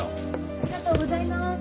ありがとうございます。